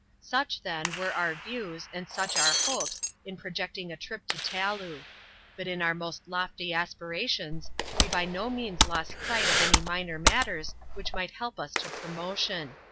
Such, then, were our views, and such our hopes in projecting a trip to Taloo. But in our most lofty aspirations, we by no means lost sight of any minor matters which might help us to promotion.